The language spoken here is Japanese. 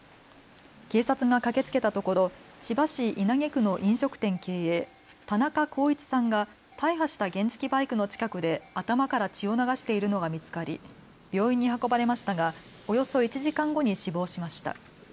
警察が駆けつけたところ千葉市稲毛区の飲食店経営、田中幸一さんが大破した原付きバイクの近くで頭から血を流しているのが見つかり病院に運ばれましたがおよそ１時間後に死亡しました。